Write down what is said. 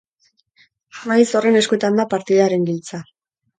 Maiz horren eskuetan da partidaren giltza.